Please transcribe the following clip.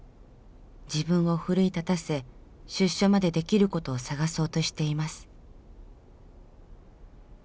自分を奮い立たせ出所までできることを探そうとしています。